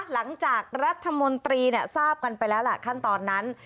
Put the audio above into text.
หลังจากรัฐมนตรีทราบกันไปแล้วล่ะขั้นตอนนั้น